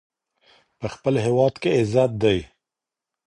په خپل هېواد کې عزت دی.